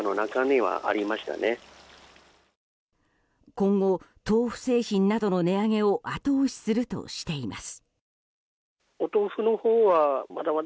今後、豆腐製品などの値上げを後押しするとしています。